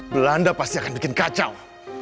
belanda pasti akan bikin kacau